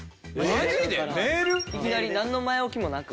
いきなりなんの前置きもなく。